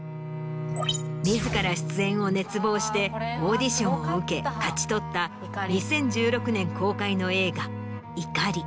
自ら出演を熱望してオーディションを受け勝ち取った２０１６年公開の映画『怒り』。